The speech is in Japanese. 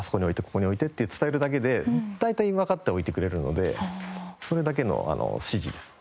「ここに置いて」って伝えるだけで大体わかっておいてくれるのでそれだけの指示です。